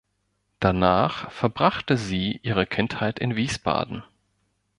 Danach verbrachte sie ihre Kindheit in Wiesbaden.